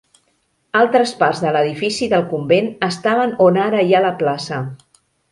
Altres parts de l'edifici del convent estaven on ara hi ha la plaça.